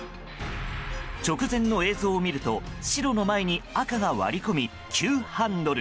直前の映像を見ると、白の前に赤が割り込み、急ハンドル。